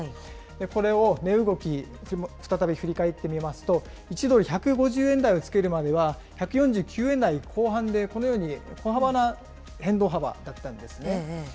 これを値動き、再び振り返ってみますと、１ドル１５０円台をつけるまでは、１４９円台後半で、このように小幅な変動幅だったんですね。